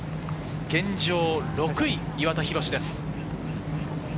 現状６位、岩田寛です。